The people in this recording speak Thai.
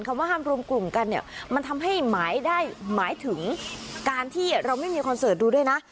คำว่าห้ามรวมกลุ่มกันเนี่ยมันทำให้หมายได้หมายถึงการที่เราไม่มีคอนเสิร์ตดูด้วยนะ